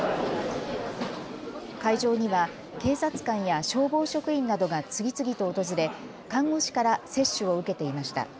会場には警察官や消防職員などが次々と訪れ看護師から接種を受けていました。